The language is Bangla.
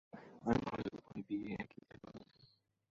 আমি মনে হয় উভয় বিয়েই, একই দিনে করা উচিত।